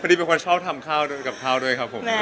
ดีเป็นคนชอบทำข้าวกับข้าวด้วยครับผม